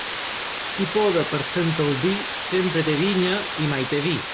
Qui poda per Sant Albí, sempre té vinya i mai té vi.